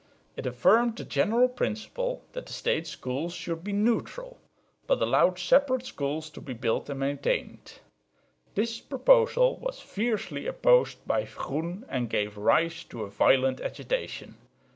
It affirmed the general principle that the State schools should be "neutral," but allowed "separate" schools to be built and maintained. This proposal was fiercely opposed by Groen and gave rise to a violent agitation.